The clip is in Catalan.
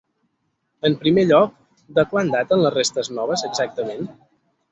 En primer lloc, de quan daten les restes noves, exactament?